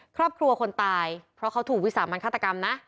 ครอบครัวคนตายเพราะเขาถูกวิสามันฆาตกรรมนะ